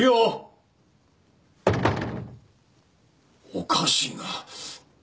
おかしいな。